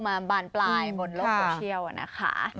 มาบานปลายบนโลกโซเชียลนะคะ